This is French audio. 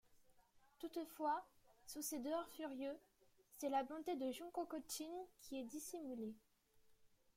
Toutefois, sous ses dehors furieux, c’est la bonté de Shūkongō-jin qui est dissimulée.